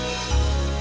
makasih pak ya